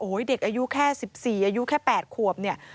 เด็กอายุแค่๑๔อายุแค่๘ขวบเนี่ย